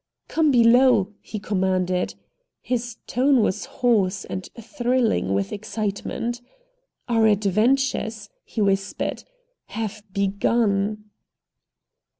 "Come below!" he commanded. His tone was hoarse and thrilling with excitement. "Our adventures," he whispered, "have begun!"